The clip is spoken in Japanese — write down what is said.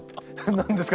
何ですか？